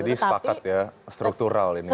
jadi sepakat ya struktural ini